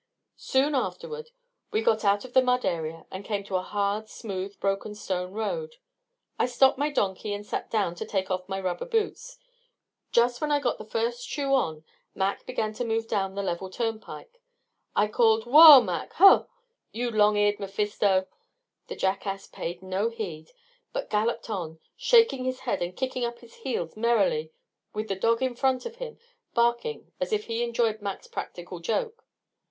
Soon afterward we got out of the mud area and came to a hard, smooth, broken stone road. I stopped my donkey and sat down to take off my rubber boots. Just when I got the first shoe on, Mac began to move down the level turnpike. I called, "Whoa, Mac! Huh!! You long eared Mephisto!" The jackass paid no heed, but galloped on, shaking his head and kicking up his heels merrily with the dog in front of him, barking as if he enjoyed Mac's practical joke.